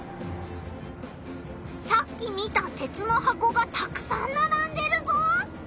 さっき見た鉄の箱がたくさんならんでるぞ！